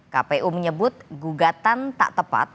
kpu menyebut gugatan tak tepat